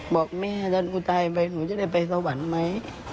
บอกแม่ถ้ากูตายไปหนูจะได้ไปสวรรค์ไหม